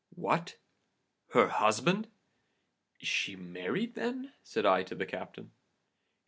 "What! her husband? Is she married, then?' said I to the captain.